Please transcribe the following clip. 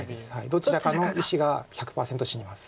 どちらかの石が１００％死にます。